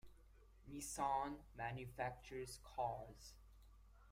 Nissan manufactures cars.